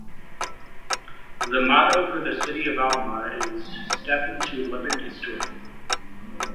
The motto for the city of Alma is: Step into Living History.